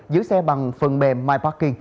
giữ xe bằng phần mềm myparking